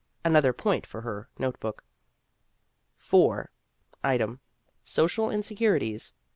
" Another point for her note book : IV. Item : Social insincerities.